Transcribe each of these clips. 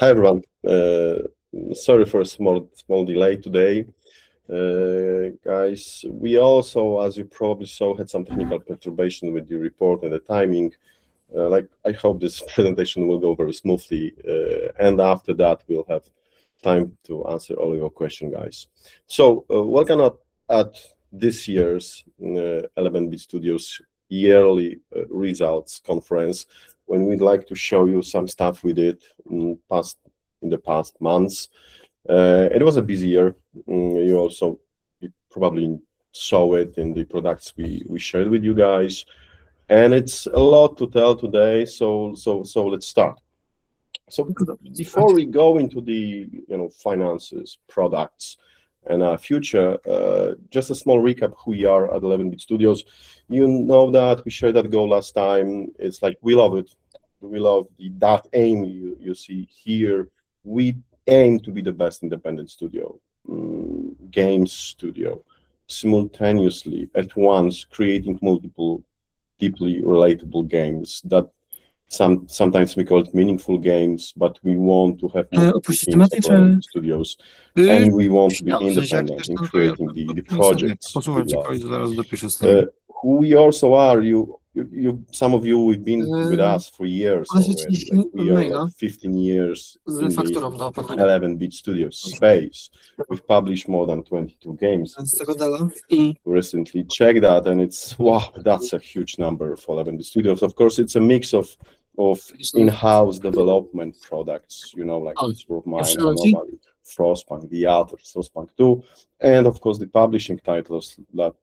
Hi, everyone. Sorry for a small delay today. Guys, we also, as you probably saw, had some technical perturbation with the report and the timing. I hope this presentation will go very smoothly, and after that, we'll have time to answer all your question, guys. Welcome at this year's 11 bit studios' yearly results conference, when we'd like to show you some stuff we did in the past months. It was a busy year. You also probably saw it in the products we shared with you guys. It's a lot to tell today, so let's start. Before we go into the finances, products, and our future, just a small recap, who we are at 11 bit studios. You know that, we shared that goal last time. It's like we love it. We love that aim you see here. We aim to be the best independent studio, game studio, simultaneously at once, creating multiple deeply relatable games that sometimes we call it meaningful games, but we want studios, and we want to be independent in creating the projects. Who we are, some of you you've been with us for years already. 15 years in the 11 bit studios space. We've published more than 22 games. Recently checked that, and it's, wow, that's a huge number for 11 bit studios. Of course, it's a mix of in-house development products, like This War of Mine, Frostpunk, The Alters, Frostpunk 2, and of course, the publishing titles that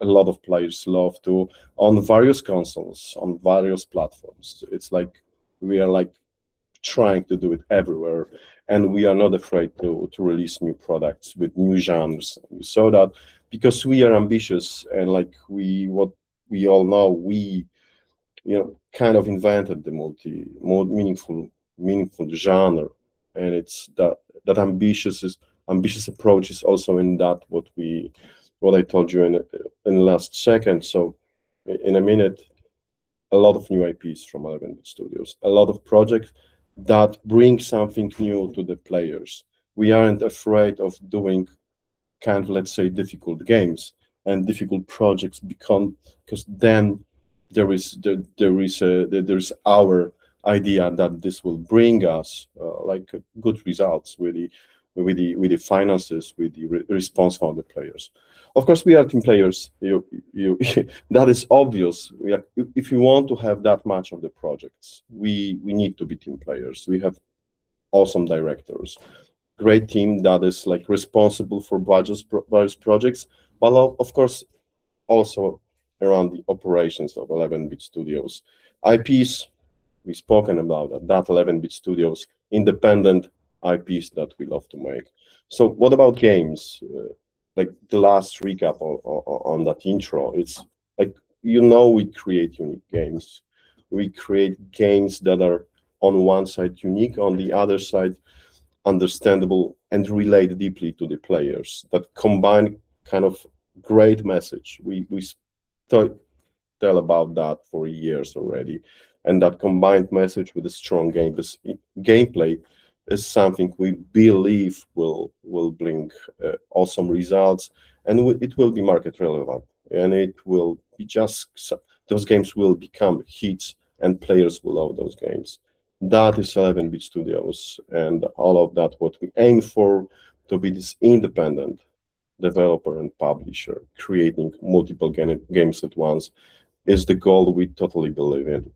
a lot of players love too, on various consoles, on various platforms. It's like we are trying to do it everywhere, and we are not afraid to release new products with new genres. We saw that because we are ambitious, as we all know, we kind of invented the meaningful genre, and it's that ambitious approach is also in what I told you in last second. In a minute, a lot of new IPs from 11 bit studios. A lot of projects that bring something new to the players. We aren't afraid of doing kind of, let's say, difficult games and difficult projects, because then there's our idea that this will bring us good results with the finances, with the response from the players. Of course, we are team players. That is obvious. If you want to have that much of the projects, we need to be team players. We have awesome directors, great team that is responsible for various projects, but of course, also around the operations of 11 bit studios. IPs, we've spoken about that 11 bit studios independent IPs that we love to make. What about games? The last recap on that intro, it's like you know we create unique games. We create games that are on one side unique, on the other side, understandable and relate deeply to the players. That combined kind of great message, we tell about that for years already, and that combined message with a strong gameplay is something we believe will bring awesome results, and it will be market relevant. Those games will become hits, and players will love those games. That is 11 bit studios, and all of that what we aim for to be this independent developer and publisher, creating multiple games at once, is the goal we totally believe in.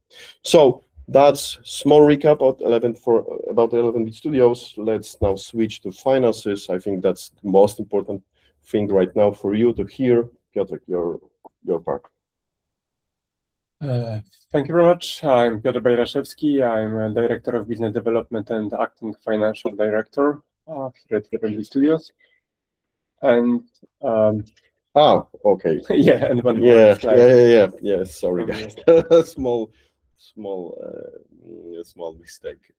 That's small recap about 11 bit studios. Let's now switch to finances. I think that's the most important thing right now for you to hear. Piotr, your part. Thank you very much. I'm Piotr Bajraszewski. I'm Director of Business Development and acting Financial Director at 11 bit studios. Okay. Yeah. One more slide. Yeah. Sorry, guys. Small mistake.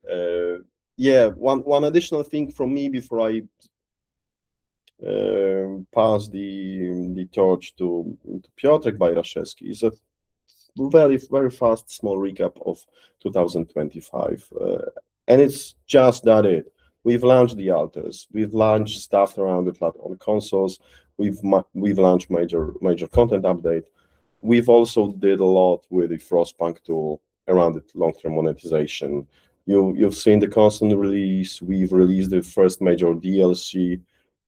Yeah. One additional thing from me before I pass the torch to Piotr Bajraszewski is a very fast, small recap of 2025. It's just that. We've launched The Alters. We've launched stuff around the platform consoles. We've launched major content update. We've also did a lot with Frostpunk 2 around its long-term monetization. You've seen the constant release. We've released the first major DLC,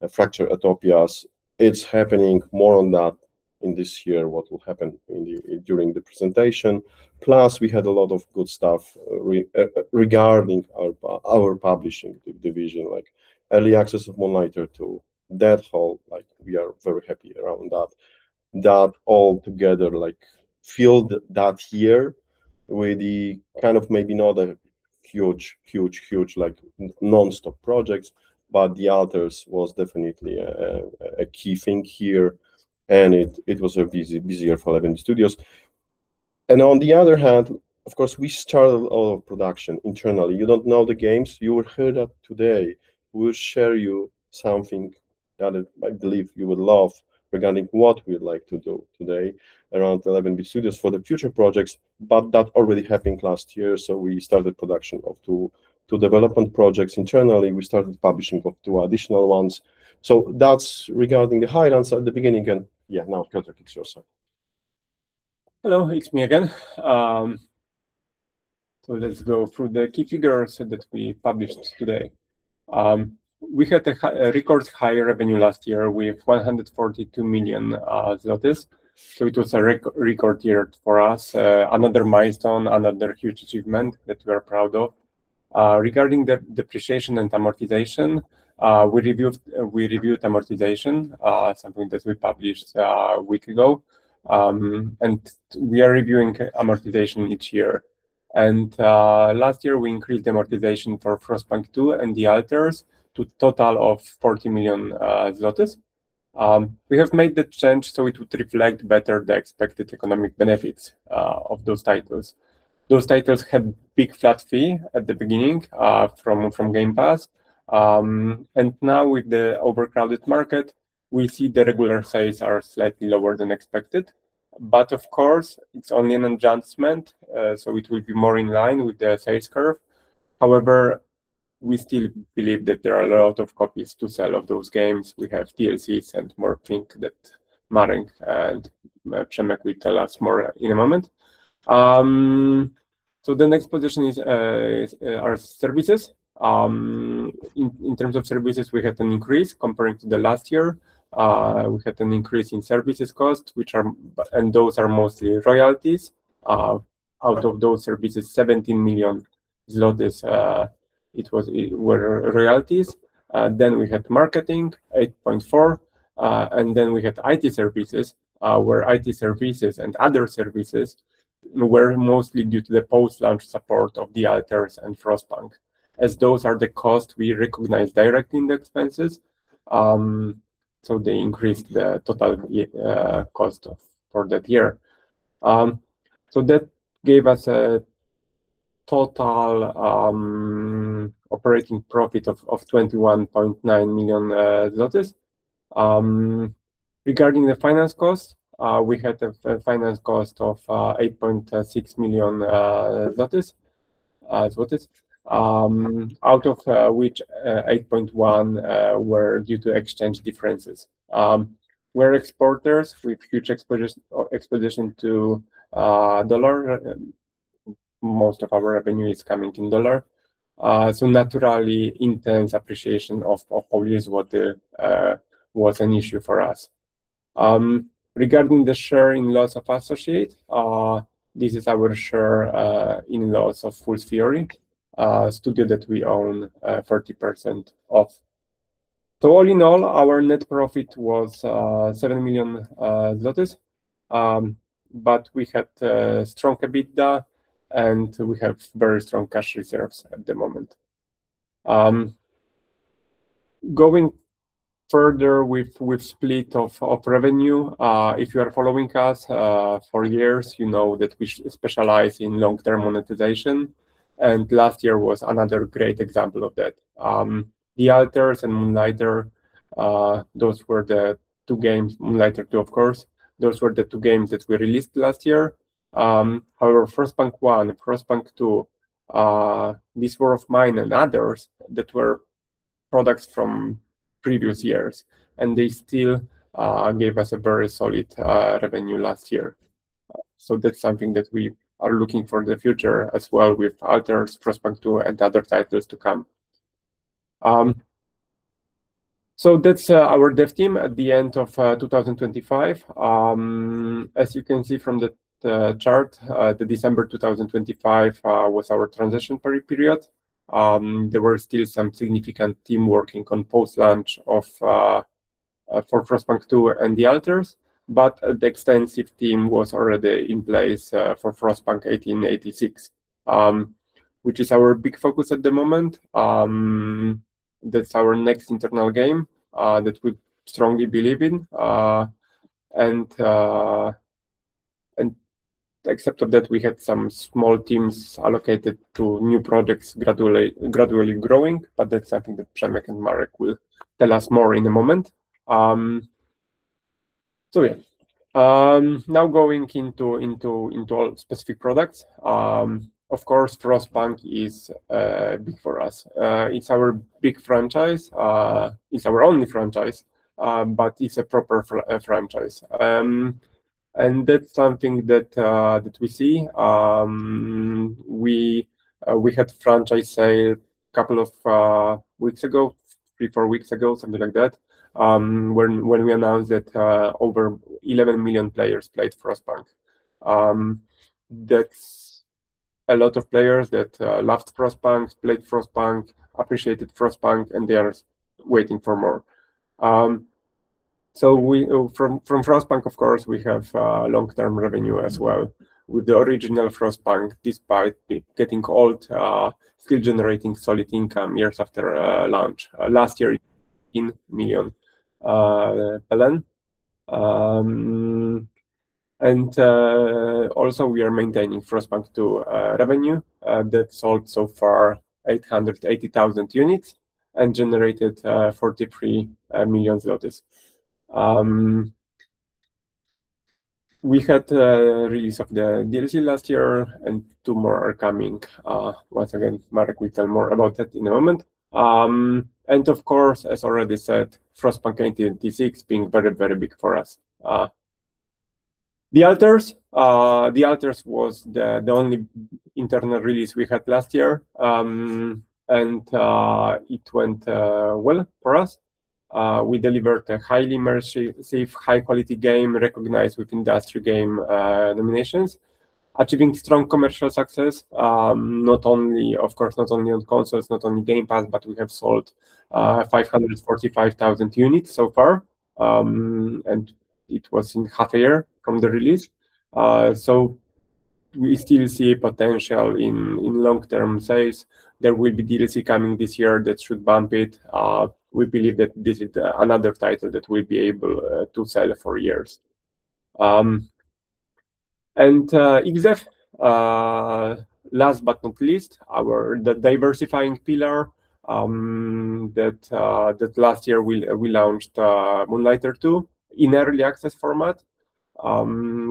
Fractured Utopias. It's happening, more on that in this year, what will happen during the presentation. Plus, we had a lot of good stuff regarding our publishing division, like early access of Moonlighter 2, Death Howl. We are very happy around that. That all together filled that year with the kind of maybe not a huge, like nonstop projects, but The Alters was definitely a key thing here, and it was a busy year for 11 bit studios. On the other hand, of course, we started our production internally. You don't know the games. You will hear that today. We'll share you something that I believe you would love regarding what we would like to do today around 11 bit studios for the future projects. That already happened last year. We started production of two development projects internally. We started publishing of two additional ones. That's regarding the highlights at the beginning and yeah, now Piotr it's your side. Hello, it's me again. Let's go through the key figures that we published today. We had a record high revenue last year with 142 million zlotys. It was a record year for us. Another milestone, another huge achievement that we are proud of. Regarding the depreciation and amortization, we reviewed amortization, something that we published a week ago. We are reviewing amortization each year. Last year, we increased amortization for Frostpunk 2 and The Alters to a total of 40 million zlotys. We have made the change so it would reflect better the expected economic benefits of those titles. Those titles had big flat fee at the beginning from Game Pass. Now with the overcrowded market, we see the regular sales are slightly lower than expected. Of course it's only an adjustment, so it will be more in line with the sales curve. However, we still believe that there are a lot of copies to sell of those games. We have DLCs and more thing that Marek and Przemek will tell us more in a moment. The next position is our services. In terms of services, we had an increase comparing to the last year. We had an increase in services cost, and those are mostly royalties. Out of those services, 17 million zlotys were royalties. We had marketing 8.4 million, and we had IT services, where IT services and other services were mostly due to the post-launch support of The Alters and Frostpunk, as those are the costs we recognize direct in the expenses. They increased the total cost for that year. That gave us a total operating profit of 21.9 million zlotys. Regarding the finance cost, we had a finance cost of 8.6 million zlotys out of which 8.1 million were due to exchange differences. We're exporters with huge exposure to dollar. Most of our revenue is coming in dollar. Naturally, intense appreciation of złoty was an issue for us. Regarding the share in loss of associate, this is our share in loss of Fool's Theory, a studio that we own 40% of. All in all, our net profit was 7 million zlotys. We had strong EBITDA, and we have very strong cash reserves at the moment. Going further with split of revenue. If you are following us for years, you know that we specialize in long-term monetization, and last year was another great example of that. The Alters and Moonlighter, those were the two games, Moonlighter 2, of course, those were the two games that we released last year. However, Frostpunk 1, Frostpunk 2, This War of Mine and others that were products from previous years, and they still gave us a very solid revenue last year. That's something that we are looking for in the future as well, with The Alters, Frostpunk 2, and other titles to come. That's our dev team at the end of 2025. As you can see from the chart, December 2025 was our transition period. There were still some significant team working on post-launch for Frostpunk 2 and The Alters, but the extensive team was already in place for Frostpunk 1886, which is our big focus at the moment. That's our next internal game, that we strongly believe in. Except for that, we had some small teams allocated to new projects gradually growing, but that's something that Przemek and Marek will tell us more in a moment. Yeah. Now going into specific products. Of course, Frostpunk is big for us. It's our big franchise. It's our only franchise, but it's a proper franchise. That's something that we see. We had franchise sale couple of weeks ago, three, four weeks ago, something like that, when we announced that over 11 million players played Frostpunk. That's a lot of players that loved Frostpunk, played Frostpunk, appreciated Frostpunk, and they are waiting for more. From Frostpunk, of course, we have long-term revenue as well with the original Frostpunk, despite getting old, still generating solid income years after launch. Last year, 18 million. Also we are maintaining Frostpunk 2 revenue, that sold so far 880,000 units and generated 43 million. We had a release of the DLC last year and two more are coming. Once again, Marek will tell more about that in a moment. Of course, as already said, Frostpunk 1886 being very, very big for us. The Alters was the only internal release we had last year, and it went well for us. We delivered a highly immersive, high-quality game recognized with industry game nominations, achieving strong commercial success. Of course, not only on consoles, not only Game Pass, but we have sold 545,000 units so far, and it was in half a year from the release. We still see potential in long-term sales. There will be DLC coming this year that should bump it. We believe that this is another title that we'll be able to sell for years. XDEV, last but not least, our diversifying pillar that last year we launched Moonlighter 2 in early access format,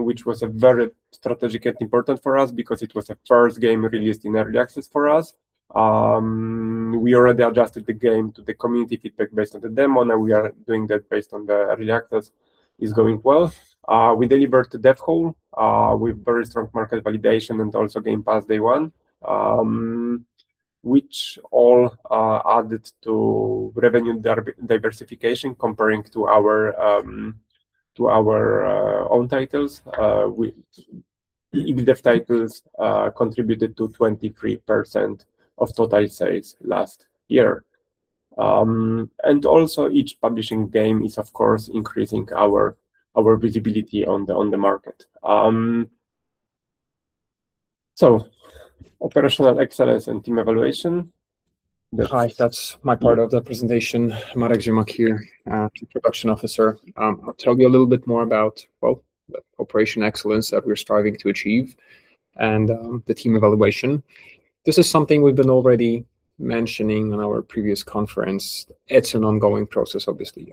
which was very strategic and important for us because it was the first game released in early access for us. We already adjusted the game to the community feedback based on the demo, now we are doing that based on the early access, is going well. We delivered Death Howl with very strong market validation and also Game Pass day one, which all added to revenue diversification comparing to our own titles. XDEV titles contributed to 23% of total sales last year. Also each publishing game is of course increasing our visibility on the market. Operational excellence and team evaluation. Hi, that's my part of the presentation. Marek Ziemak here, Chief Production Officer. I'll tell you a little bit more about, well, the operational excellence that we're striving to achieve and the team evaluation. This is something we've been already mentioning on our previous conference. It's an ongoing process, obviously.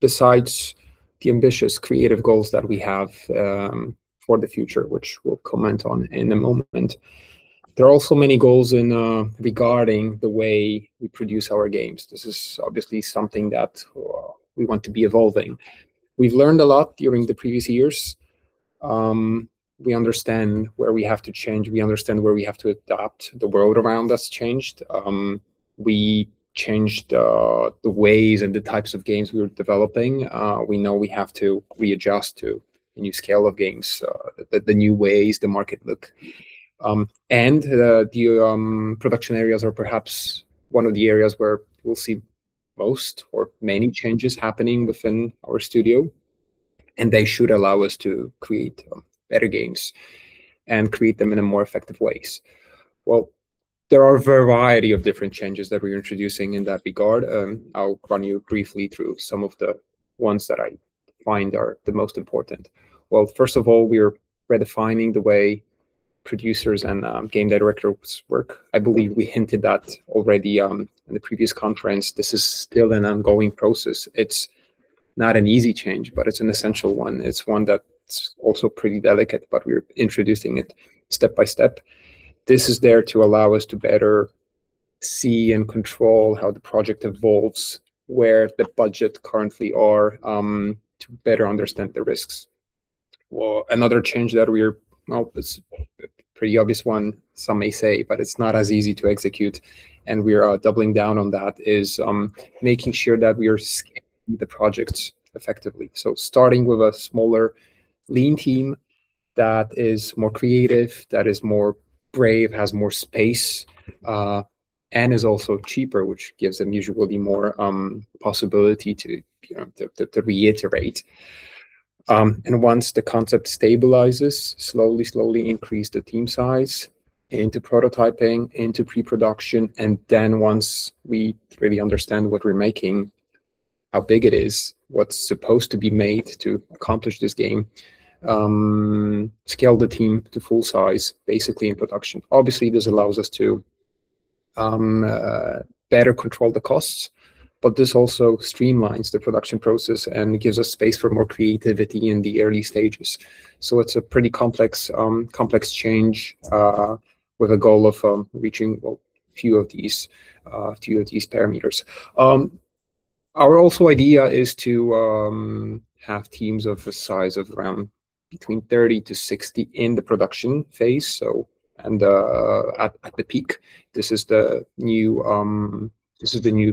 Besides the ambitious creative goals that we have for the future, which we'll comment on in a moment, there are also many goals regarding the way we produce our games. This is obviously something that we want to be evolving. We've learned a lot during the previous years. We understand where we have to change, we understand where we have to adapt. The world around us changed. We changed the ways and the types of games we were developing. We know we have to readjust to the new scale of games, the new ways the market look. The production areas are perhaps one of the areas where we'll see most or many changes happening within our studio, and they should allow us to create better games and create them in a more effective ways. Well, there are a variety of different changes that we're introducing in that regard. I'll run you briefly through some of the ones that I find are the most important. Well, first of all, we're redefining the way producers and game directors work. I believe we hinted that already in the previous conference. This is still an ongoing process. It's not an easy change, but it's an essential one. It's one that's also pretty delicate, but we're introducing it step-by-step. This is there to allow us to better see and control how the project evolves, where the budget currently are, to better understand the risks. Well, another change, well, it's a pretty obvious one, some may say, but it's not as easy to execute, and we are doubling down on that, is making sure that we are scaling the projects effectively. Starting with a smaller lean team that is more creative, that is more brave, has more space, and is also cheaper, which gives them usually more possibility to reiterate. Once the concept stabilizes, slowly increase the team size into prototyping, into pre-production, and then once we really understand what we're making, how big it is, what's supposed to be made to accomplish this game, scale the team to full size, basically in production. Obviously, this allows us to better control the costs, but this also streamlines the production process and gives us space for more creativity in the early stages. It's a pretty complex change, with a goal of reaching a few of these parameters. Our also idea is to have teams of a size of around between 30-60 in the production phase. At the peak, this is the new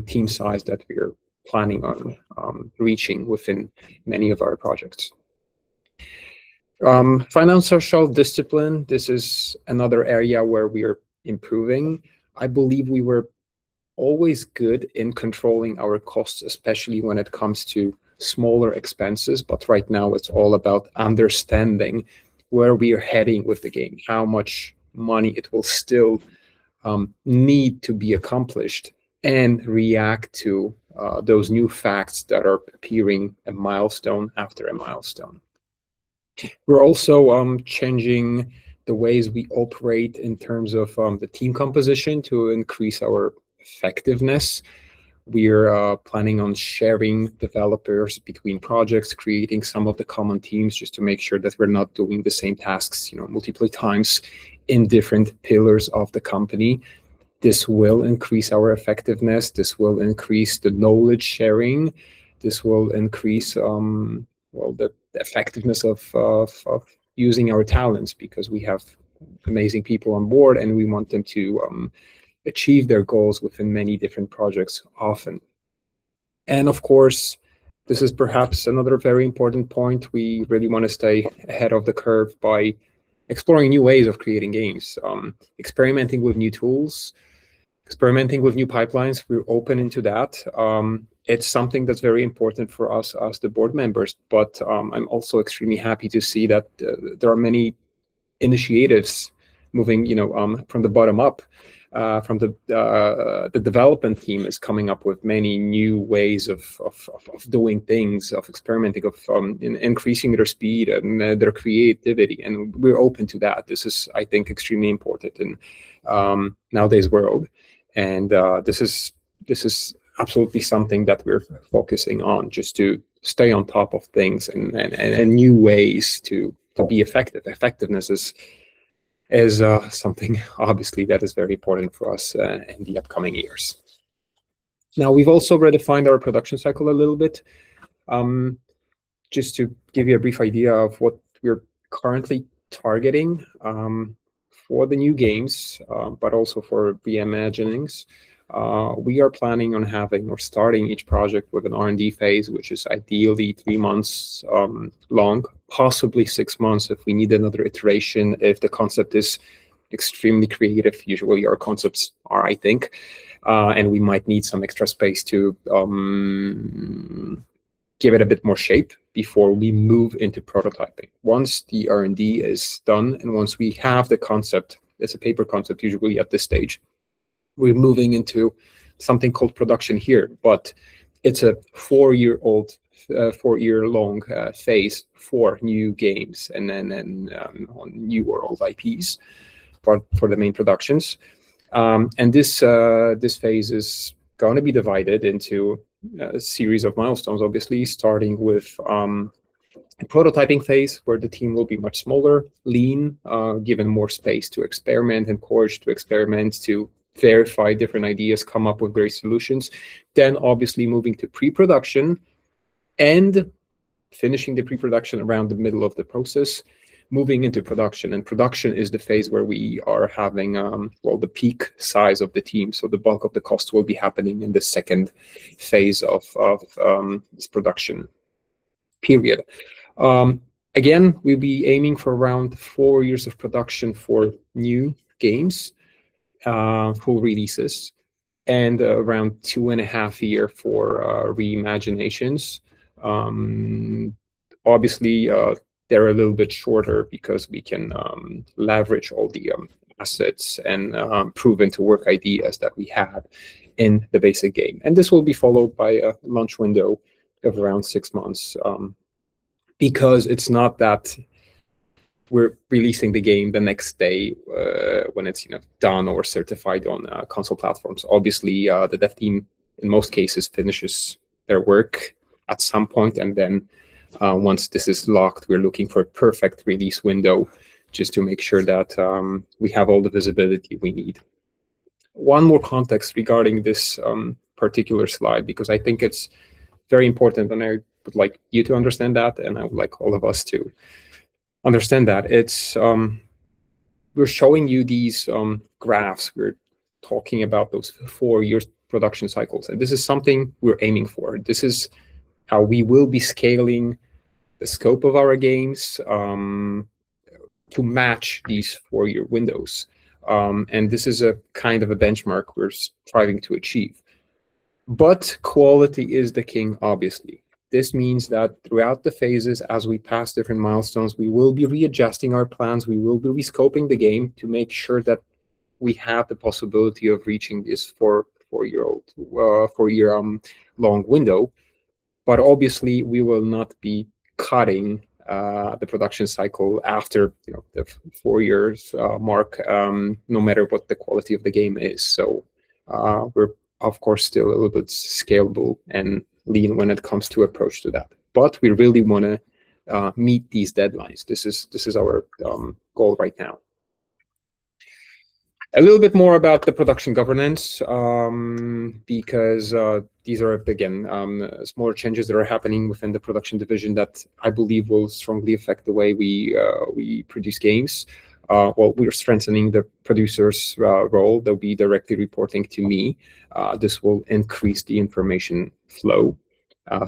team size that we are planning on reaching within many of our projects. Financial discipline, this is another area where we are improving. I believe we were always good in controlling our costs, especially when it comes to smaller expenses, but right now it's all about understanding where we are heading with the game, how much money it will still need to be accomplished, and react to those new facts that are appearing milestone after milestone. We're also changing the ways we operate in terms of the team composition to increase our effectiveness. We are planning on sharing developers between projects, creating some of the common teams just to make sure that we're not doing the same tasks multiple times in different pillars of the company. This will increase our effectiveness, this will increase the knowledge sharing, this will increase the effectiveness of using our talents, because we have amazing people on board, and we want them to achieve their goals within many different projects often. Of course, this is perhaps. We really want to stay ahead of the curve by exploring new ways of creating games, experimenting with new tools, experimenting with new pipelines. We're open to that. It's something that's very important for us as the board members. I'm also extremely happy to see that there are many initiatives moving from the bottom up. The development team is coming up with many new ways of doing things, of experimenting, of increasing their speed and their creativity, and we're open to that. This is, I think, extremely important in nowadays world. This is absolutely something that we're focusing on just to stay on top of things and new ways to be effective. Effectiveness is something, obviously, that is very important for us in the upcoming years. Now, we've also redefined our production cycle a little bit. Just to give you a brief idea of what we're currently targeting for the new games, but also for reimagining, we are planning on having or starting each project with an R&D phase, which is ideally three months long, possibly six months if we need another iteration, if the concept is extremely creative. Usually our concepts are, I think, and we might need some extra space to give it a bit more shape before we move into prototyping. Once the R&D is done, and once we have the concept, it's a paper concept usually at this stage, we're moving into something called production here. It's a four-year-long phase for new games and on new world IPs for the main productions. This phase is going to be divided into a series of milestones, obviously starting with a prototyping phase where the team will be much smaller, lean, given more space to experiment, encouraged to experiment, to verify different ideas, come up with great solutions. Obviously moving to pre-production and finishing the pre-production around the middle of the process, moving into production. Production is the phase where we are having the peak size of the team. The bulk of the cost will be happening in the second phase of this production period. Again, we'll be aiming for around four years of production for new games, full releases, and around 2.5 years for reimaginations. Obviously, they're a little bit shorter because we can leverage all the assets and proven-to-work ideas that we have in the basic game. This will be followed by a launch window of around six months because it's not that we're releasing the game the next day when it's done or certified on console platforms. Obviously, the dev team in most cases finishes their work at some point, and then once this is locked, we're looking for a perfect release window just to make sure that we have all the visibility we need. One more context regarding this particular slide, because I think it's very important, and I would like you to understand that, and I would like all of us to understand that. We're showing you these graphs. We're talking about those four-year production cycles, and this is something we're aiming for. This is how we will be scaling the scope of our games to match these four-year windows. This is a kind of a benchmark we're striving to achieve. Quality is the king, obviously. This means that throughout the phases, as we pass different milestones, we will be readjusting our plans, we will be rescoping the game to make sure that we have the possibility of reaching this four-year-long window. Obviously, we will not be cutting the production cycle after the four-year mark no matter what the quality of the game is. We're of course still a little bit scalable and lean when it comes to approach to that. We really want to meet these deadlines. This is our goal right now. A little bit more about the production governance because these are, again, smaller changes that are happening within the production division that I believe will strongly affect the way we produce games. While we are strengthening the producer's role, they'll be directly reporting to me. This will increase the information flow.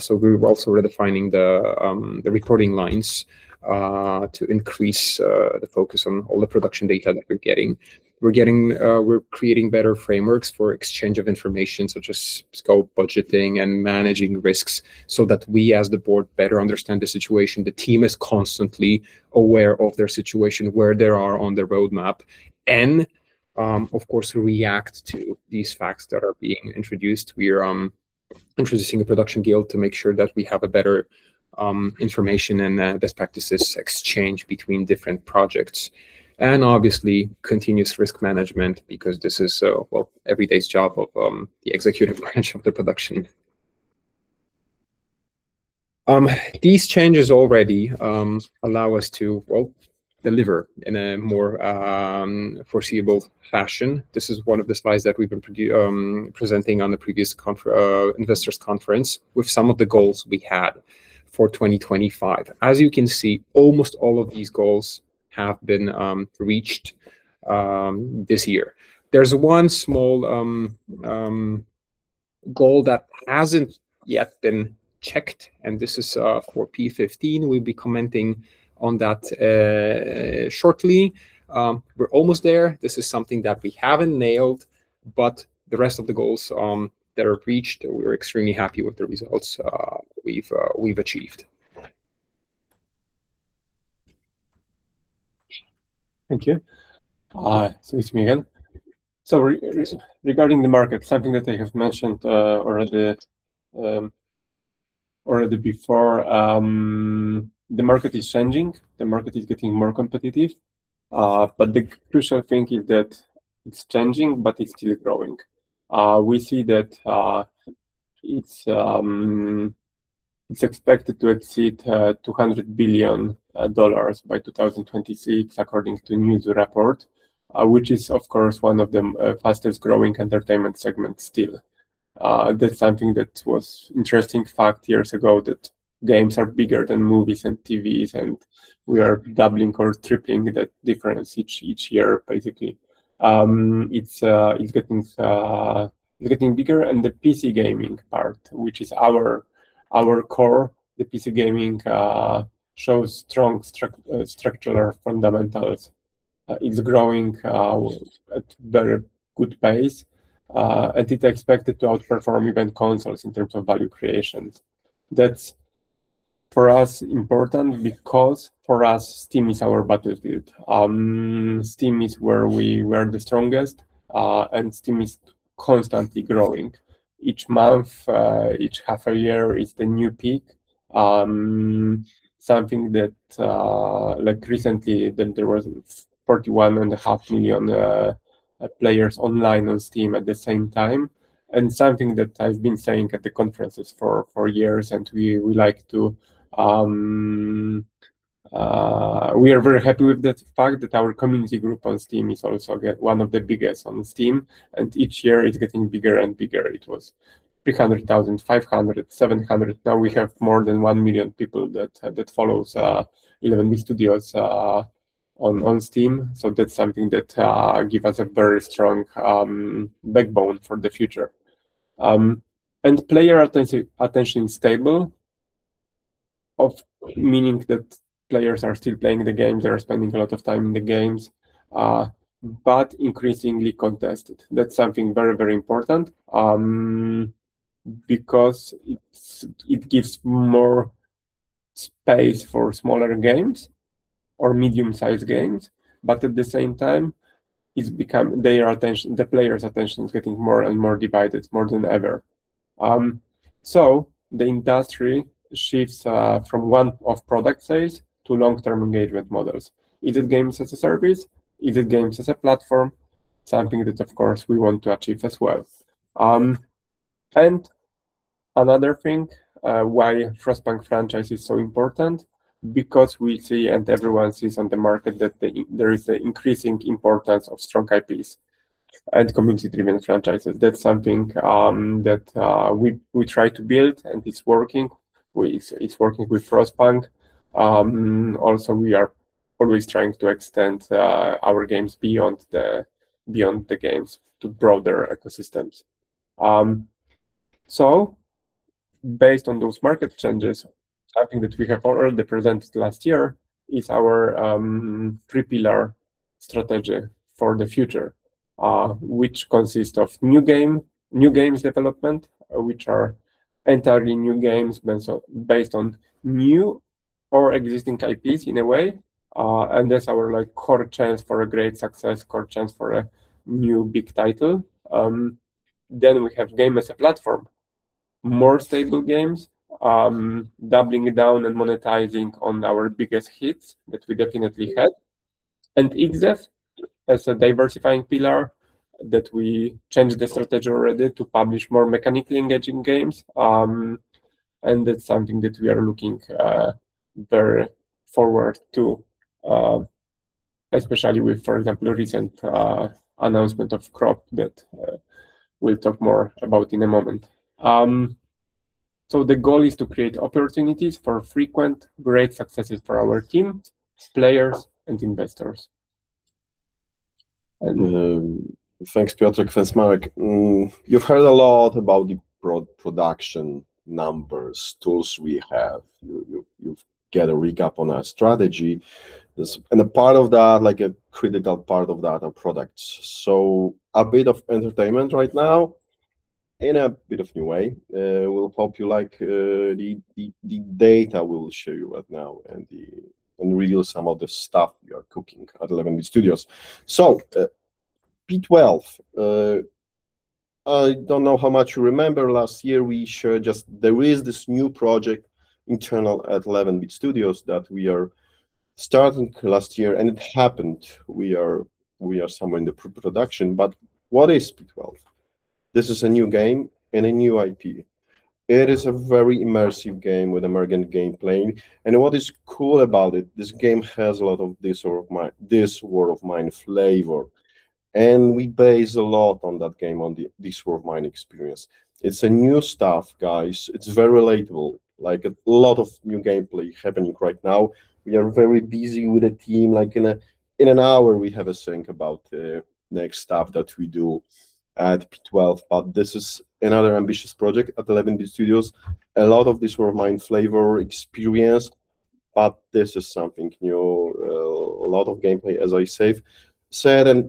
We're also redefining the reporting lines to increase the focus on all the production data that we're getting. We're creating better frameworks for exchange of information such as scope, budgeting, and managing risks so that we, as the board, better understand the situation. The team is constantly aware of their situation, where they are on the roadmap, and of course, react to these facts that are being introduced. We are introducing a production guild to make sure that we have better information and best practices exchange between different projects, and obviously continuous risk management because this is every day's job of the executive branch of the production. These changes already allow us to deliver in a more foreseeable fashion. This is one of the slides that we've been presenting on the previous investors' conference with some of the goals we had for 2025. As you can see, almost all of these goals have been reached this year. There's one small goal that hasn't yet been checked, and this is for P15. We'll be commenting on that shortly. We're almost there. This is something that we haven't nailed, but the rest of the goals that are reached, we're extremely happy with the results we've achieved. Thank you. It's me again. Regarding the market, something that I have mentioned already before, the market is changing. The market is getting more competitive. The crucial thing is that it's changing, but it's still growing. We see that it's expected to exceed $200 billion by 2026, according to a Newzoo report, which is, of course, one of the fastest-growing entertainment segments still. That's something that was interesting five years ago, that games are bigger than movies and TVs, and we are doubling or tripling that difference each year, basically. It's getting bigger and the PC gaming part, which is our core, the PC gaming, shows strong structural fundamentals. It's growing at a very good pace, and it's expected to outperform even consoles in terms of value creation. That's, for us, important because for us, Steam is our battlefield. Steam is where we were the strongest, and Steam is constantly growing. Each month, each half a year is the new peak. Something that, recently, there was 41.5 million players online on Steam at the same time. Something that I've been saying at the conferences for years, and we are very happy with the fact that our community group on Steam is also one of the biggest on Steam, and each year it's getting bigger and bigger. It was 300,000, 500,000, 700,000. Now we have more than 1 million people that follow 11 bit studios on Steam. That's something that gives us a very strong backbone for the future. Player attention is stable, meaning that players are still playing the games, they are spending a lot of time in the games, but increasingly contested. That's something very important, because it gives more space for smaller games or medium-sized games, but at the same time, the player's attention is getting more and more divided, more than ever. The industry shifts from one-off product sales to long-term engagement models, either games as a service, either games as a platform, something that, of course, we want to achieve as well. Another thing, why Frostpunk franchise is so important, because we see, and everyone sees on the market, that there is an increasing importance of strong IPs and community-driven franchises. That's something that we try to build, and it's working. It's working with Frostpunk. Also, we are always trying to extend our games beyond the games to broader ecosystems. Based on those market changes, something that we have already presented last year is our three-pillar strategy for the future, which consists of new games development, which are entirely new games based on new or existing IPs in a way. That's our core chance for a great success, core chance for a new big title. We have game as a platform, more stable games, doubling down and monetizing on our biggest hits that we definitely had. XDEV as a diversifying pillar that we changed the strategy already to publish more mechanically engaging games. That's something that we are looking very forward to, especially with, for example, recent announcement of Crop that we'll talk more about in a moment. The goal is to create opportunities for frequent great successes for our team, players, and investors. Thanks, Piotr. Thanks, Marek. You've heard a lot about the broad production numbers, tools we have. You've got a recap on our strategy. A part of that, a critical part of that, are products. A bit of entertainment right now In a bit of a new way, we'll hope you like the data we'll show you right now and reveal some of the stuff we are cooking at 11 bit studios. P12. I don't know how much you remember, last year we shared just there is this new project internal at 11 bit studios that we are starting last year, and it happened. We are somewhere in the pre-production. What is P12? This is a new game and a new IP. It is a very immersive game with emergent game playing. What is cool about it, this game has a lot of This War of Mine flavor, and we base a lot on that game, on the This War of Mine experience. It's new stuff, guys. It's very relatable, a lot of new gameplay happening right now. We are very busy with the team. In an hour, we have a sync about the next stuff that we do at P12, but this is another ambitious project at 11 bit studios. A lot of This War of Mine flavor experience, but this is something new. A lot of gameplay, as I said.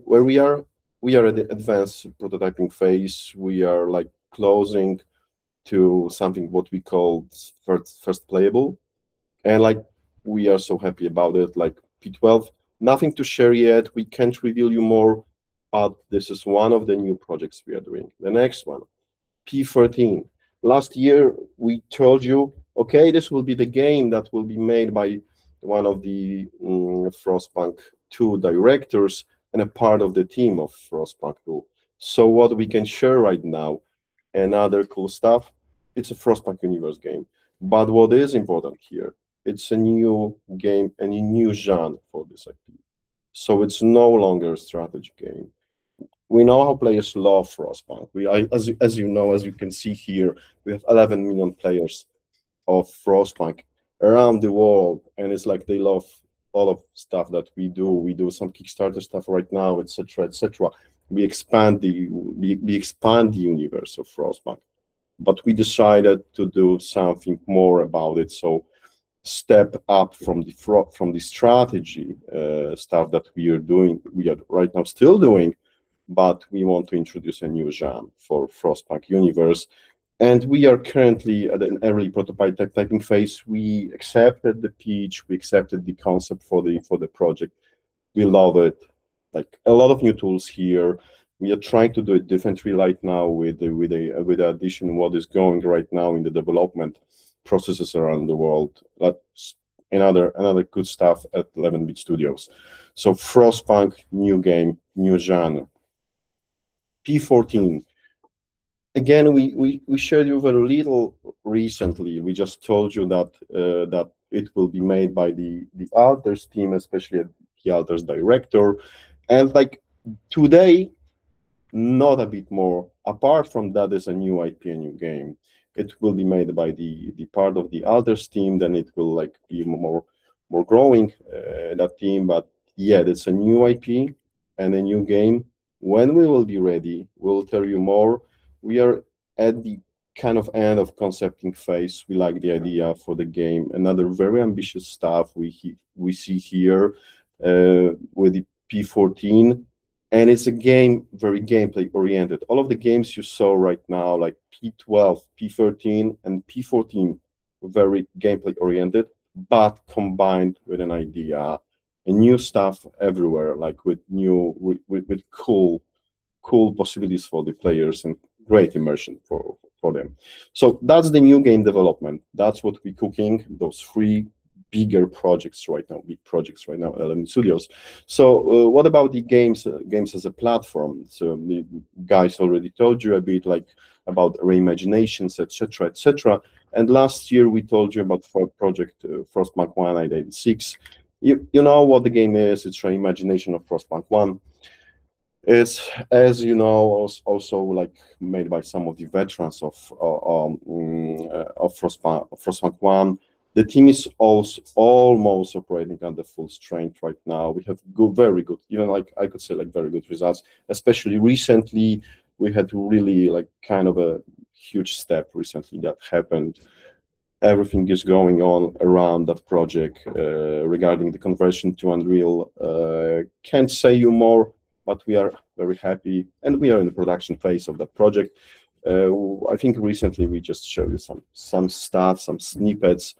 Where we are, we are at the advanced prototyping phase. We are close to something that we call first playable, and we are so happy about it. P12, nothing to share yet. We can't reveal to you more, but this is one of the new projects we are doing. The next one, P14. Last year we told you, "Okay, this will be the game that will be made by one of the Frostpunk 2 directors and a part of the team of Frostpunk 2." What we can share right now, and other cool stuff, it's a Frostpunk universe game. What is important here, it's a new game and a new genre for this IP, so it's no longer a strategy game. We know our players love Frostpunk. As you know, as you can see here, we have 11 million players of Frostpunk around the world, and it's like they love all of the stuff that we do. We do some Kickstarter stuff right now, et cetera. We expand the universe of Frostpunk, but we decided to do something more about it. Step up from the strategy stuff that we are right now still doing, but we want to introduce a new genre for Frostpunk universe, and we are currently at an early prototyping phase. We accepted the pitch, we accepted the concept for the project. We love it. A lot of new tools here. We are trying to do it differently right now with the addition of what is going right now in the development processes around the world. Another good stuff at 11 bit studios. Frostpunk, new game, new genre. P14. Again, we showed you very little recently. We just told you that it will be made by the Alters team, especially Alters director. Today, not a bit more. Apart from that is a new IP and new game. It will be made by the part of the Alters team, then it will be more growing, that team. Yeah, it's a new IP and a new game. When we will be ready, we'll tell you more. We are at the end of concepting phase. We like the idea for the game. Another very ambitious stuff we see here, with P14, and it's a game, very gameplay-oriented. All of the games you saw right now, like P12, P13, and P14, very gameplay-oriented, but combined with an idea and new stuff everywhere, with cool possibilities for the players and great immersion for them. That's the new game development. That's what we're cooking, those three bigger projects right now, big projects right now at 11 bit studios. What about the games as a platform? The guys already told you a bit about reimaginations, et cetera. Last year we told you about project Frostpunk 1886. You know what the game is. It's reimagination of Frostpunk 1. It's, as you know, also made by some of the veterans of Frostpunk 1. The team is almost operating under full strength right now. We have very good, I could say, very good results. Especially recently, we had really a huge step recently that happened. Everything is going on around that project, regarding the conversion to Unreal. Can't say much more, but we are very happy, and we are in the production phase of the project. I think recently we just showed you some stuff, some snippets.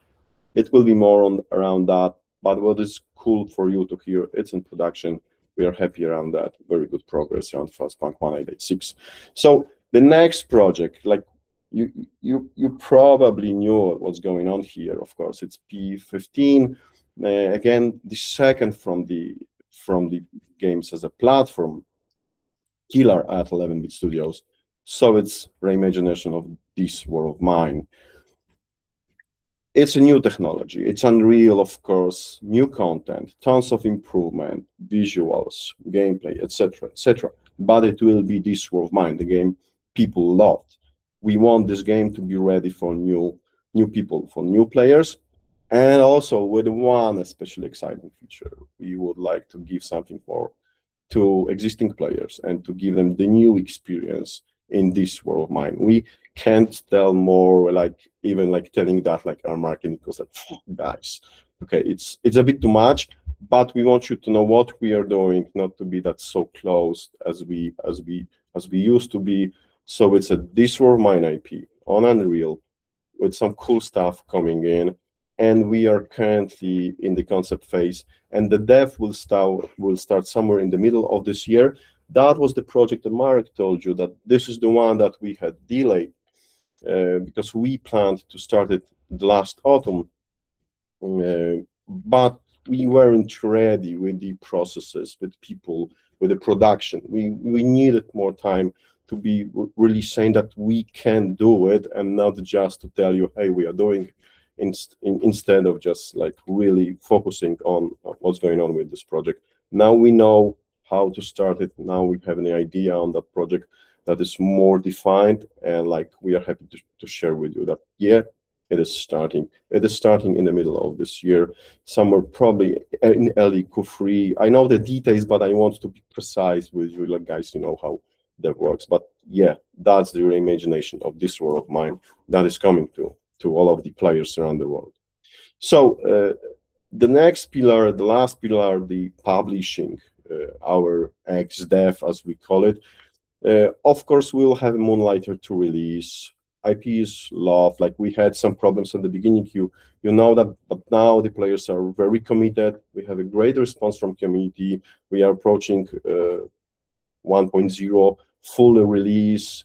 It will be more around that, but what is cool for you to hear, it's in production. We are happy around that. Very good progress around Frostpunk 1886. The next project, you probably knew what's going on here. Of course, it's P15. Again, the second from the games as a platform pillar at 11 bit studios, so it's Reimagination of This War of Mine. It's a new technology. It's Unreal, of course. New content, tons of improvement, visuals, gameplay, et cetera. It will be This War of Mine, the game people loved. We want this game to be ready for new people, for new players, and also with one special exciting feature. We would like to give something more to existing players and to give them the new experience in This War of Mine. We can't tell more. Even telling that, our marketing goes like, "Fuck, guys. Okay, it's a bit too much." We want you to know what we are doing, not to be that so closed as we used to be. It's a "This War of Mine" IP on Unreal with some cool stuff coming in, and we are currently in the concept phase, and the dev will start somewhere in the middle of this year. That was the project that Marek told you, that this is the one that we had delayed because we planned to start it last autumn, but we weren't ready with the processes, with people, with the production. We needed more time to be really saying that we can do it and not just to tell you, "Hey, we are doing it" instead of just really focusing on what's going on with this project. Now we know how to start it. Now we have an idea on the project that is more defined, and we are happy to share with you that, yeah, it is starting. It is starting in the middle of this year, somewhere probably in early Q3. I know the details, but I want to be precise with you guys to know how that works. Yeah, that's the reimagination of "This War of Mine" that is coming to all of the players around the world. The next pillar, the last pillar, the publishing, our XDEV, as we call it. Of course, we will have "Moonlighter" to release. IP is loved. We had some problems in the beginning. You know that, but now the players are very committed. We have a great response from community. We are approaching 1.0 full release.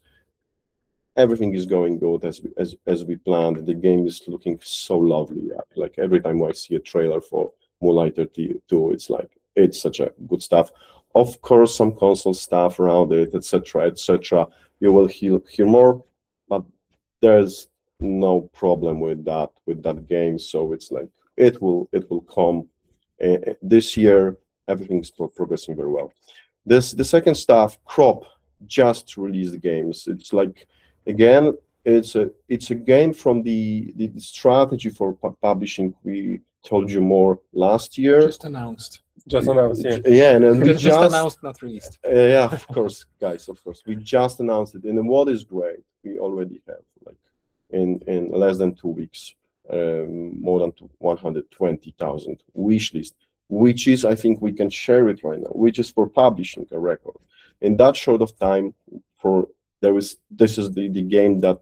Everything is going good as we planned. The game is looking so lovely. Every time I see a trailer for "Moonlighter 2" it's like, it's such good stuff. Of course, some console stuff around it, et cetera. You will hear more, but there's no problem with that game. It will come this year. Everything's progressing very well. The second stuff, "Crop" just released the games. It's a game from the strategy for publishing we told you more last year. Just announced, yeah. Yeah. No, just. Just announced, not released. Yeah. Of course, guys. Of course. We just announced it. What is great, we already have in less than two weeks, more than 120,000 wishlists, which is, I think we can share it right now, which is for publishing a record. In that short time, this is the game that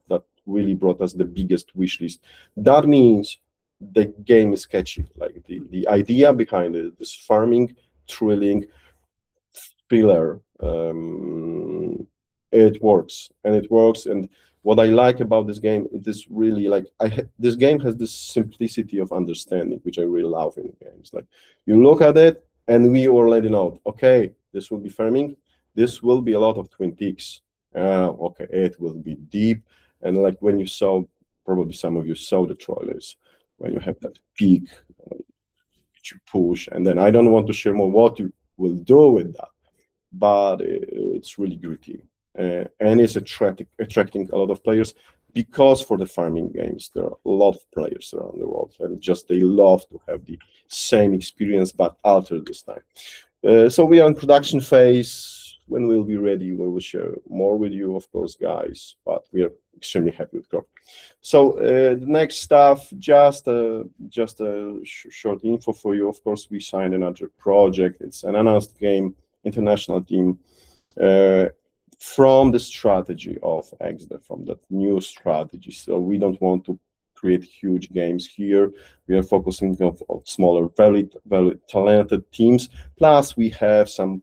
really brought us the biggest wishlist. That means the game is catchy. The idea behind it, this farming thrilling pillar, it works. It works and what I like about this game, this game has this simplicity of understanding, which I really love in games. You look at it and we already know, okay, this will be farming. This will be a lot of Twin Peaks. Okay, it will be deep. Probably some of you saw the trailers where you have that peak which you push, and then I don't want to share more what you will do with that, but it's really gritty. It's attracting a lot of players because for the farming games, there are a lot of players around the world and just they love to have the same experience but altered this time. We are in production phase. When we'll be ready, we will share more with you, of course, guys, but we are extremely happy with "Crop". The next stuff, just a short info for you. Of course, we signed another project. It's an announced game, international team, from the strategy of XDEV, from that new strategy. We don't want to create huge games here. We are focusing on smaller, very talented teams. Plus, we have some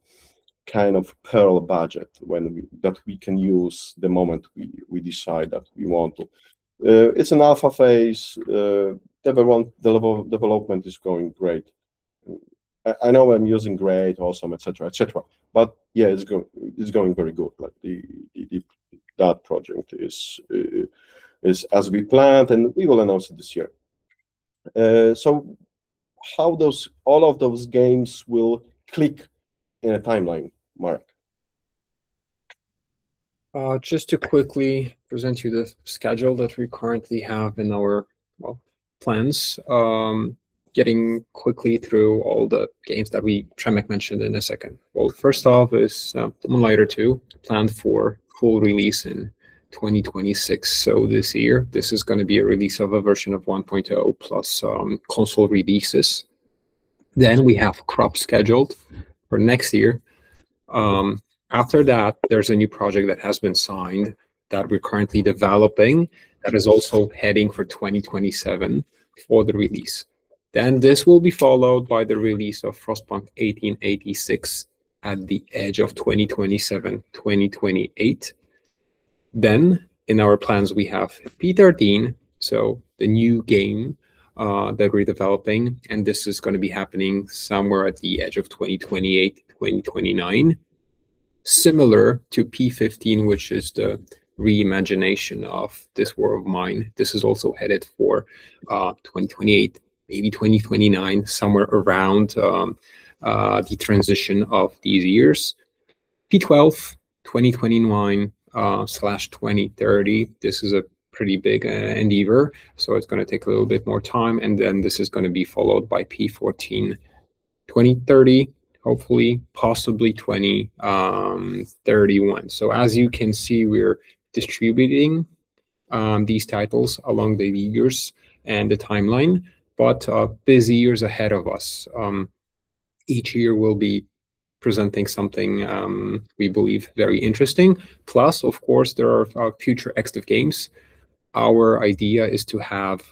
kind of pool budget that we can use the moment we decide that we want to. It's in alpha phase. Development is going great. I know I'm using "great" awesome, et cetera. But yeah, it's going very good. That project is as we planned, and we will announce it this year. How all of those games will click in a timeline, Marek? Just to quickly present you the schedule that we currently have in our plans. Getting quickly through all the games that Przemek mentioned in a second. Well, first off is "Moonlighter 2" planned for full release in 2026. This year. This is going to be a release of a version of 1.0 plus console releases. We have "Crop" scheduled for next year. After that, there's a new project that has been signed that we're currently developing that is also heading for 2027 for the release. This will be followed by the release of "Frostpunk 1886" at the edge of 2027-2028. In our plans, we have P13, so the new game that we're developing, and this is going to be happening somewhere at the edge of 2028-2029. Similar to P15, which is the reimagination of "This War of Mine", this is also headed for 2028, maybe 2029, somewhere around the transition of these years. P12, 2029/2030. This is a pretty big endeavor, so it's going to take a little bit more time, and then this is going to be followed by P14, 2030, hopefully, possibly 2031. As you can see, we're distributing these titles along the years and the timeline, but busy years ahead of us. Each year we'll be presenting something we believe very interesting. Plus, of course, there are our future active games. Our idea is to have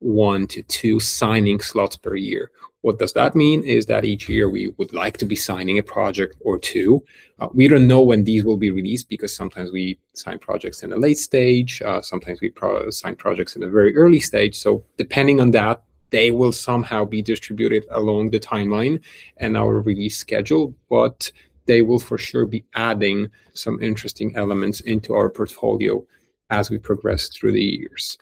one to two signing slots per year. What does that mean? Is that each year we would like to be signing a project or two. We don't know when these will be released because sometimes we sign projects in a late stage, sometimes we sign projects in a very early stage. Depending on that, they will somehow be distributed along the timeline and our release schedule. They will for sure be adding some interesting elements into our portfolio as we progress through the years.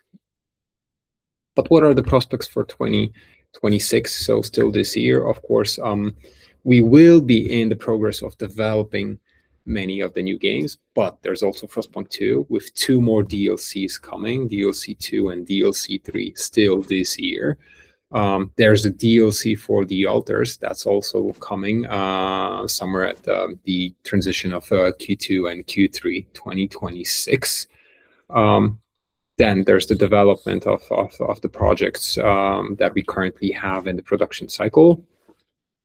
What are the prospects for 2026? Still this year, of course, we will be in the progress of developing many of the new games, but there's also "Frostpunk 2" with two more DLCs coming, DLC 2 and DLC 3 still this year. There's a DLC for "The Alters" that's also coming, somewhere at the transition of Q2 and Q3 2026. There's the development of the projects that we currently have in the production cycle.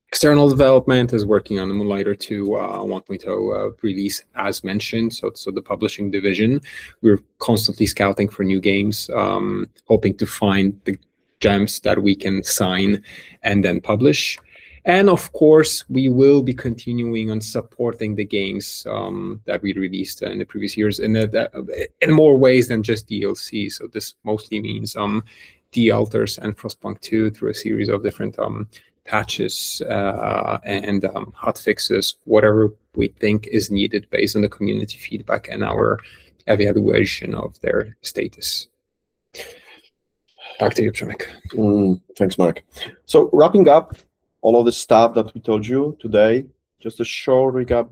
External development is working on the "Moonlighter 2" and want me to release as mentioned. The publishing division, we're constantly scouting for new games, hoping to find the gems that we can sign and then publish. Of course, we will be continuing on supporting the games that we released in the previous years and in more ways than just DLCs. This mostly means "The Alters" and "Frostpunk 2" through a series of different patches and hotfixes, whatever we think is needed based on the community feedback and our evaluation of their status. Back to you, Przemek. Thanks, Marek. Wrapping up all of the stuff that we told you today, just a short recap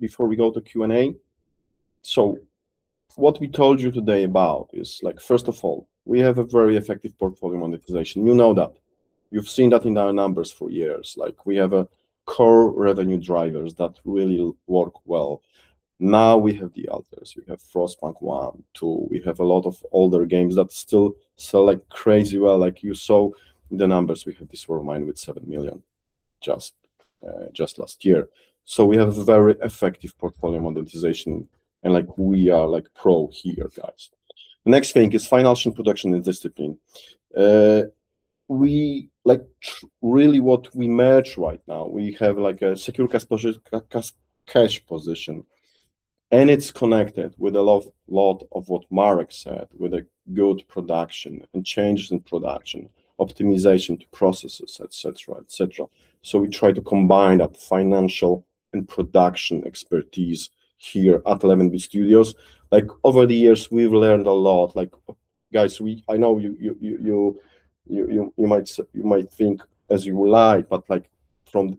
before we go to Q&A. What we told you today about is, first of all, we have a very effective portfolio monetization. You know that. You've seen that in our numbers for years. We have a core revenue drivers that really work well. Now we have "The Alters", we have "Frostpunk", "Frostpunk 2", we have a lot of older games that still sell crazy well. You saw the numbers. We have "This War of Mine" with 7 million just last year. We have a very effective portfolio monetization and we are pro here, guys. The next thing is financial and production discipline. Really what we merge right now, we have a secure cash position, and it's connected with a lot of what Marek said, with a good production and changes in production, optimization to processes, et cetera. We try to combine that financial and production expertise here at 11 bit studios. Over the years, we've learned a lot. Guys, I know you might think as you like, but from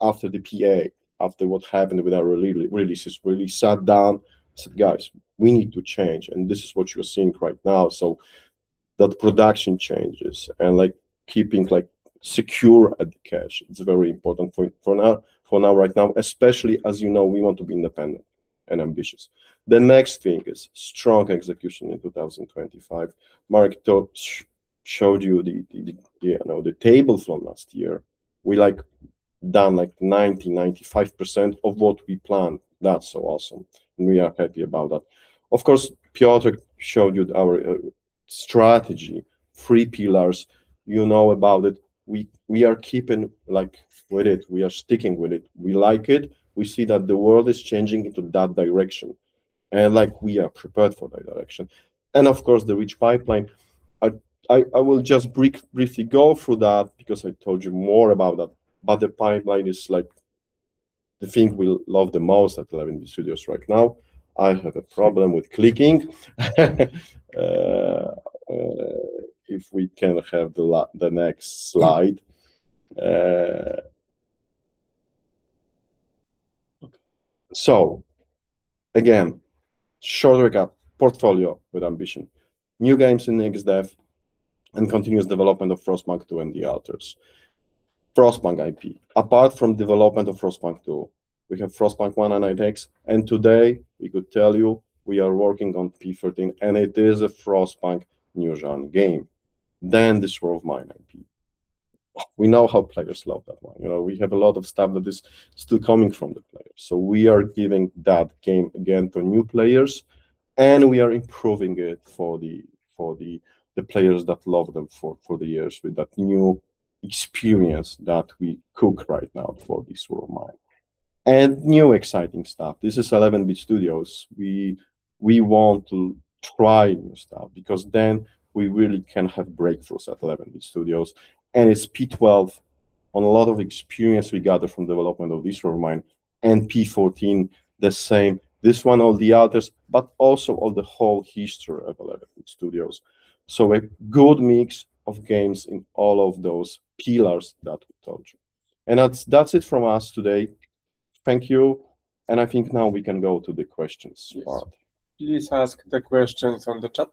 after the PA, after what happened with our releases, really sat down, said, "Guys, we need to change" and this is what you're seeing right now. That production changes and keeping secure at the cash is very important for now, right now, especially as you know, we want to be independent and ambitious. The next thing is strong execution in 2025. Marek showed you the tables from last year. We done 90%, 95% of what we planned. That's so awesome, and we are happy about that. Of course, Piotr showed you our strategy, three pillars. You know about it. We are keeping with it. We are sticking with it. We like it. We see that the world is changing into that direction and we are prepared for that direction. Of course, the rich pipeline. I will just briefly go through that because I told you more about that, but the pipeline is the thing we love the most at 11 bit studios right now. I have a problem with clicking. If we can have the next slide. Okay. Again, short recap. Portfolio with ambition, new games in next dev, and continuous development of "Frostpunk 2" and "The Alters". Frostpunk IP. Apart from development of "Frostpunk 2", we have "Frostpunk 1" and "8X", and today we could tell you we are working on P13, and it is a Frostpunk new genre game, "This War of Mine" IP. We know how players love that one. We have a lot of stuff that is still coming from the players. We are giving that game again to new players, and we are improving it for the players that love it for years with that new experience that we cook right now for "This War of Mine" and new exciting stuff. This is 11 bit studios. We want to try new stuff because then we really can have breakthroughs at 11 bit studios and it's P12 on a lot of experience we gather from development of "This War of Mine" and P14 the same, this one or "The Alters" but also of the whole history of 11 bit studios. A good mix of games in all of those pillars that we told you. That's it from us today. Thank you. I think now we can go to the questions part. Yes. Please ask the questions on the chat.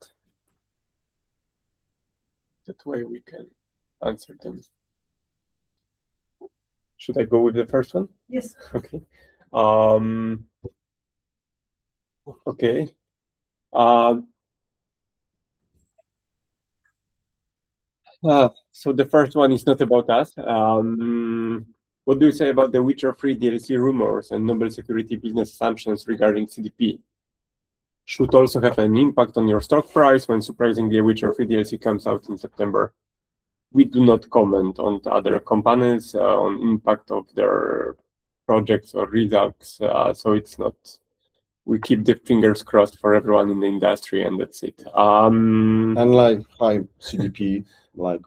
That way we can answer them. Should I go with the first one? Yes. Okay. The first one is not about us. "What do you say about The Witcher 3 DLC rumors and normal security business assumptions regarding CDP should also have an impact on your stock price when surprisingly, The Witcher 3 DLC comes out in September?" We do not comment on other companies, on impact of their projects or results. We keep the fingers crossed for everyone in the industry, and that's it. Unlike CDP.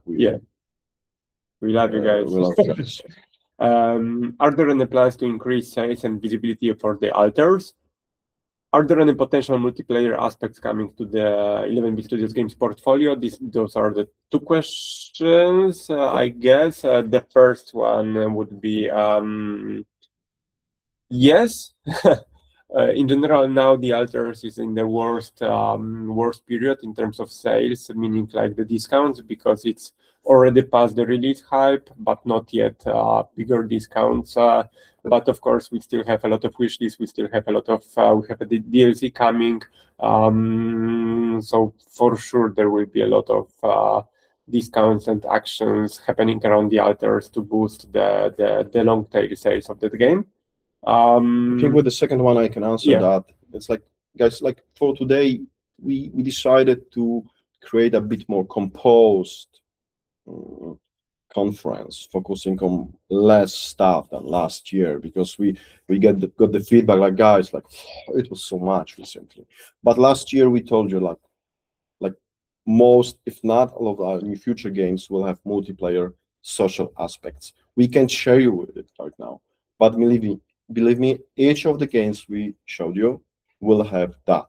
Yeah. We love you guys. We love you guys. Are there any plans to increase size and visibility for The Alters? Are there any potential multiplayer aspects coming to the 11 bit studios games portfolio?" Those are the two questions, I guess. The first one would be, yes. In general, now The Alters is in the worst period in terms of sales, meaning the discounts, because it's already past the release hype, but not yet bigger discounts. Of course, we still have a lot of wish lists. We have a DLC coming. For sure there will be a lot of discounts and actions happening around The Alters to boost the long-tail sales of the game. I think with the second one, I can answer that. Yeah. Guys, for today, we decided to create a bit more composed conference focusing on less stuff than last year because we got the feedback like, "Guys, it was so much recently." Last year we told you most, if not all of our new future games will have multiplayer social aspects. We can't share you with it right now, but believe me, each of the games we showed you will have that.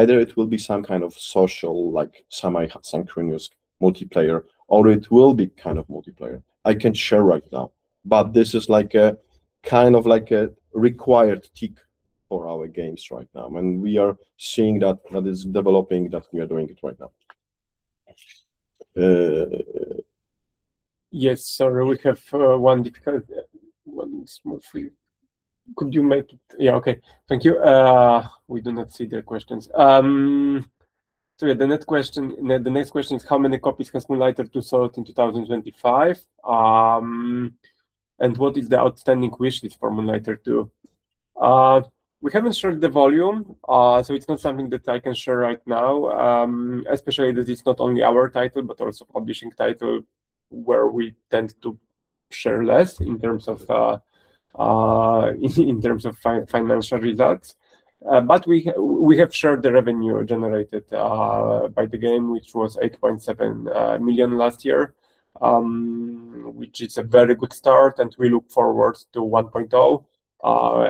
Either it will be some kind of social, semi-synchronous multiplayer, or it will be kind of multiplayer. I can't share right now, but this is a required tick for our games right now, and we are seeing that is developing, that we are doing it right now. Yes. Yes, sorry, we have one small for you. Okay. Thank you. We do not see the questions. The next question is, "How many copies has Moonlighter 2 sold in 2025, and what is the outstanding wish list for Moonlighter 2?" We haven't shared the volume, so it's not something that I can share right now. Especially that it's not only our title, but also publishing title, where we tend to share less in terms of financial results. We have shared the revenue generated by the game, which was 8.7 million last year, which is a very good start, and we look forward to 1.0.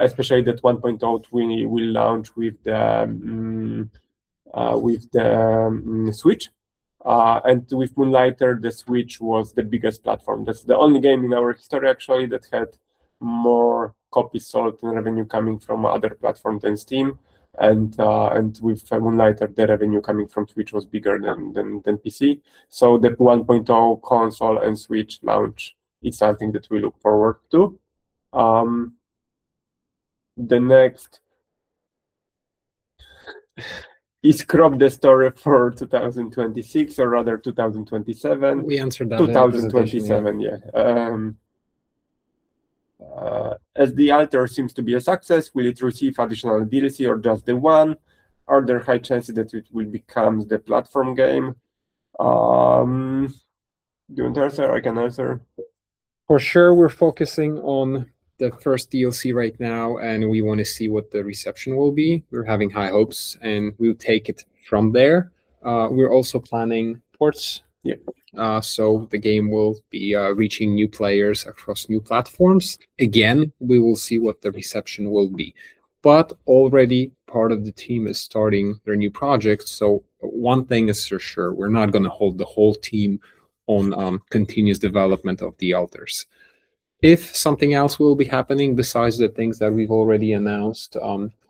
Especially that 1.0, we will launch with the Switch. With Moonlighter, the Switch was the biggest platform. That's the only game in our history, actually, that had more copies sold and revenue coming from other platforms than Steam. With Moonlighter, the revenue coming from Switch was bigger than PC. The 1.0 console and Switch launch is something that we look forward to. The next, "Is Crop the story for 2026 or rather 2027? We answered that. 2027, yeah. "As The Alters seems to be a success, will it receive additional DLC or just the one? Are there high chances that it will become the platform game?" Do you want to answer or I can answer? For sure, we're focusing on the first DLC right now, and we want to see what the reception will be. We're having high hopes, and we'll take it from there. We're also planning ports. Yeah. The game will be reaching new players across new platforms. Again, we will see what the reception will be, but already part of the team is starting their new project, so one thing is for sure, we're not gonna hold the whole team on continuous development of The Alters. If something else will be happening besides the things that we've already announced,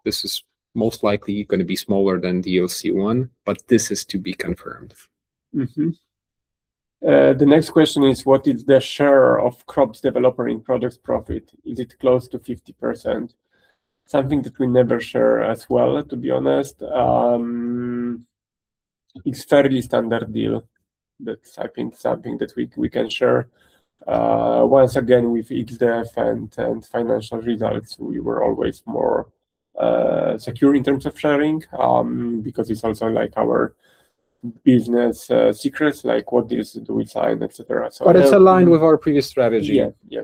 this is most likely gonna be smaller than DLC 1, but this is to be confirmed. The next question is, "What is the share of Crop's developer in product profit? Is it close to 50%?" Something that we never share as well, to be honest. It's fairly standard deal. That's I think something that we can share. Once again, with XDEV and financial results, we were always more secure in terms of sharing, because it's also our business secrets, what deals do we sign, et cetera. It's aligned with our previous strategy. Yeah.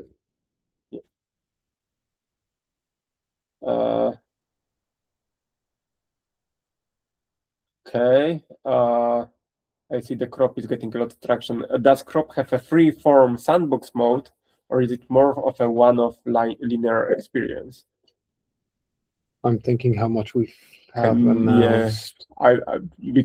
Okay. I see the Crop is getting a lot of traction. "Does Crop have a free-form sandbox mode, or is it more of a one-off linear experience? I'm thinking how much we have announced. Yes.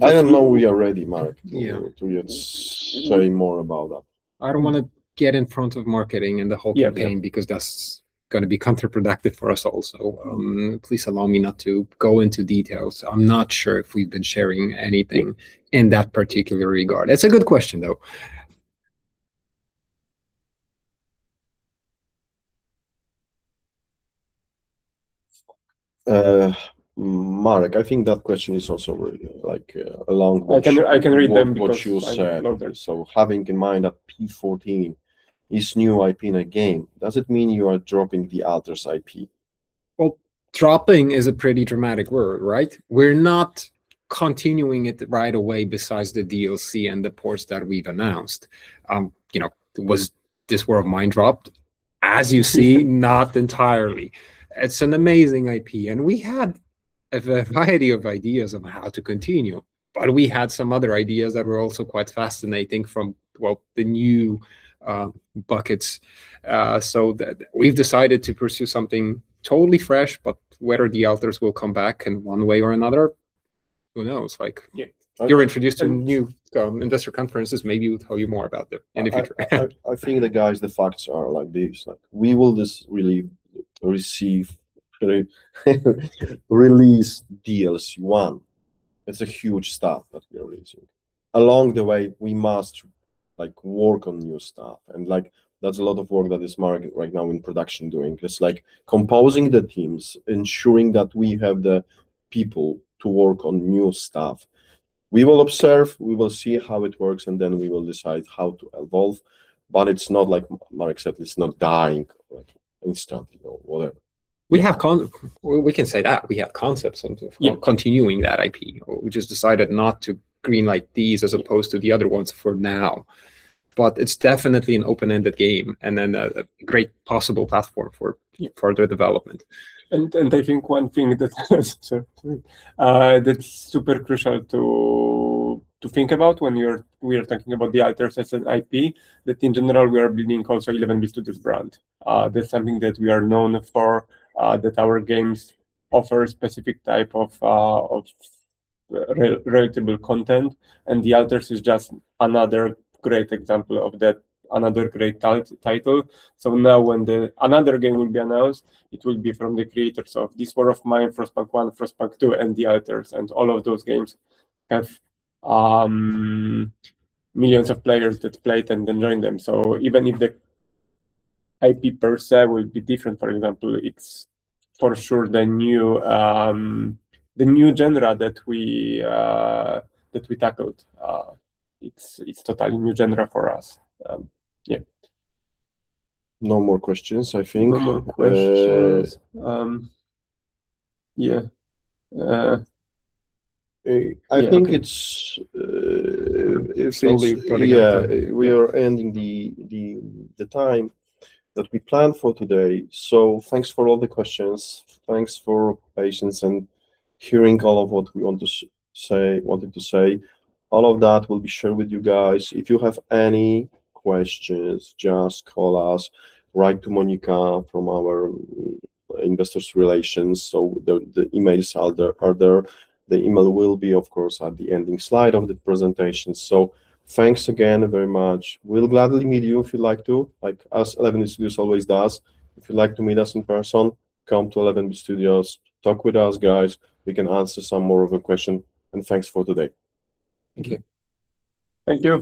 I don't know. We are ready, Marek. Yeah to be saying more about that. I don't want to get in front of marketing and the whole campaign because that's going to be counterproductive for us also. Please allow me not to go into details. I'm not sure if we've been sharing anything in that particular regard. It's a good question, though. Marek, I think that question is also really along what. I can read them because.... what you said. Having in mind that P14 is new IP in a game, does it mean you are dropping "The Alters" IP? Well, dropping is a pretty dramatic word, right? We're not continuing it right away besides the DLC and the ports that we've announced. Was "This War of Mine" dropped? As you see, not entirely. It's an amazing IP, and we had a variety of ideas on how to continue, but we had some other ideas that were also quite fascinating from, well, the new buckets. We've decided to pursue something totally fresh, but whether "The Alters" will come back in one way or another, who knows? You're introduced to new investor conferences, maybe we'll tell you more about them in the future. I think that, guys, the facts are like this. We will just really release DLC 1. It's a huge start that we are releasing. Along the way, we must work on new stuff. That's a lot of work that is marked right now in production doing. It's like composing the teams, ensuring that we have the people to work on new stuff. We will observe, we will see how it works, and then we will decide how to evolve. It's not like Marek said, it's not dying instantly or whatever. We can say that. We have concepts for continuing that IP. We just decided not to green-light these as opposed to the other ones for now. It's definitely an open-ended game and then a great possible platform for further development. I think one thing that's super crucial to think about when we are talking about "The Alters" as an IP, that in general, we are building also 11 bit studios' brand. That's something that we are known for, that our games offer a specific type of relatable content, and "The Alters" is just another great example of that, another great title. Now when another game will be announced, it will be from the creators of "This War of Mine," "Frostpunk 1," "Frostpunk 2," and "The Alters," and all of those games have millions of players that played and enjoyed them. Even if the IP per se will be different, for example, it's for sure the new genre that we tackled. It's a totally new genre for us. Yeah. No more questions, I think. No more questions. We are ending the time that we planned for today. Thanks for all the questions. Thanks for your patience and hearing all of what we wanted to say. All of that will be shared with you guys. If you have any questions, just call us. Write to Monika from our investor relations, so the email is there. The email will be, of course, at the ending slide of the presentation. Thanks again very much. We'll gladly meet you if you'd like to, like us, 11 bit studios always does. If you'd like to meet us in person, come to 11 bit studios, talk with us, guys. We can answer some more of your questions. Thanks for today. Thank you. Thank you.